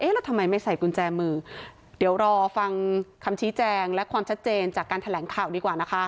แล้วทำไมไม่ใส่กุญแจมือเดี๋ยวรอฟังคำชี้แจงและความชัดเจนจากการแถลงข่าวดีกว่านะคะ